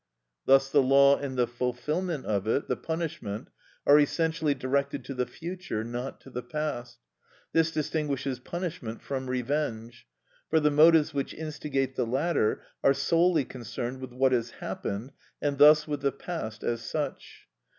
Thus the law and the fulfilment of it, the punishment, are essentially directed to the future, not to the past. This distinguishes punishment from revenge; for the motives which instigate the latter are solely concerned with what has happened, and thus with the past as such.